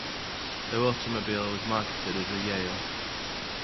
Their automobile was marketed as the Yale.